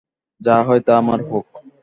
যা হয় তা আমার হোক।